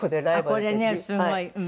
これねすごい。